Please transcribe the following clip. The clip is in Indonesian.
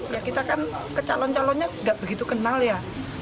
ya kita kan ke calon calonnya nggak begitu kenal ya